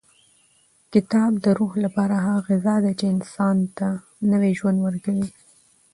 کتاب د روح لپاره هغه غذا ده چې انسان ته نوی ژوند ورکوي.